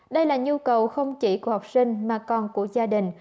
đây là nhu cầu không chỉ của học sinh mà còn của gia đình